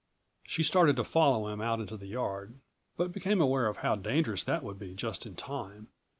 She started to follow him out into the yard, but became aware of how dangerous that would be just in time.